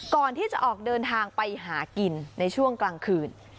ก่อนที่จะออกเดินทางไปหากินในช่วงกลางคืน